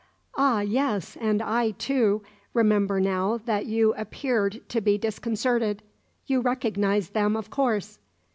Ah, yes, and I, too, remember now that you appeared to be disconcerted. You recognized them, of course?"